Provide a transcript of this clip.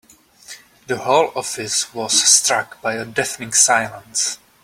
The whole office was struck by a deafening silence.